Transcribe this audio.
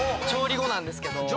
調理後なんですけど。